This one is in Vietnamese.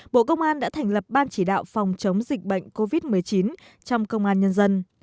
bộ công an đã thành lập ban chỉ đạo phòng chống dịch bệnh covid một mươi chín trong công an nhân dân